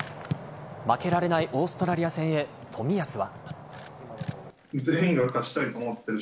負けられないオーストラリア戦へ冨安は。